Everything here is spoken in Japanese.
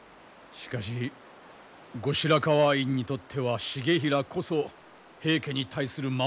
しかし後白河院にとっては重衡こそ平家に対する守り札。